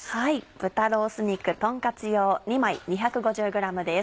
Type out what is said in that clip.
豚ロース肉とんカツ用２枚２５０ｇです。